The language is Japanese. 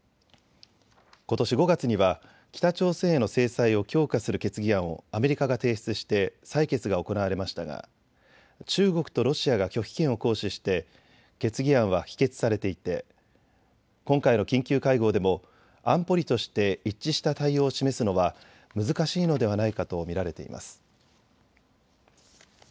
ことし５月には北朝鮮への制裁を強化する決議案をアメリカが提出して採決が行われましたが中国とロシアが拒否権を行使して決議案は否決されていて今回の緊急会合でも安保理として一致した対応を示すのは難しいのではないかと見られています。